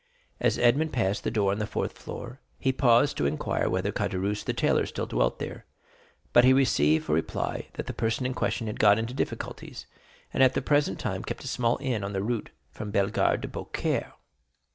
As Edmond passed the door on the fourth floor, he paused to inquire whether Caderousse the tailor still dwelt there; but he received for reply, that the person in question had got into difficulties, and at the present time kept a small inn on the route from Bellegarde to Beaucaire.